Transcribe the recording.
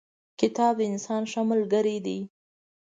کتاب د انسان ښه ملګری دی.